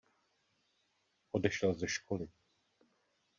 Odešel ze školy.